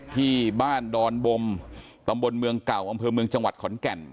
ที่บ้านดอนบมตำบลเมืองเก่าอำเภอเมืองจังหวัดขอนแก่น